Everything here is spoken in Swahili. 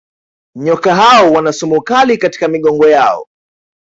Nyoka hao wana sumu kali katika migongo yao